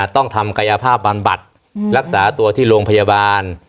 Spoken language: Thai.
ต้องทำกายภาพบำบัดรักษาตัวที่โรงพยาบาล